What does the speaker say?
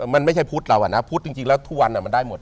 มันไม่ใช่พุทธเราอะนะพุทธจริงแล้วทุกวันมันได้หมด